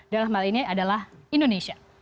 dalam hal ini adalah indonesia